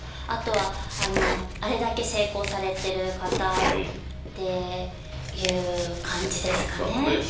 あとはあれだけ成功されてる方っていう感じですかね。